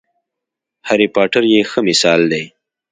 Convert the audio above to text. هرې پاټر یې ښه مثال دی.